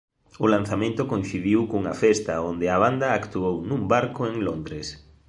O lanzamento coincidiu cunha festa onde a banda actuou nun barco en Londres.